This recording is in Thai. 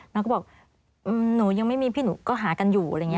น้องก็บอกหนูยังไม่มีพี่หนูก็หากันอยู่